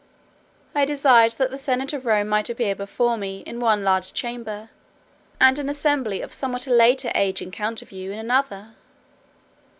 I desired that the senate of Rome might appear before me, in one large chamber, and an assembly of somewhat a later age in counterview, in another.